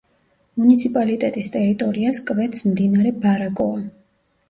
მუნიციპალიტეტის ტერიტორიას კვეთს მდინარე ბარაკოა.